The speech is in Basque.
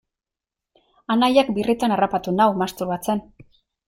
Anaiak birritan harrapatu nau masturbatzen.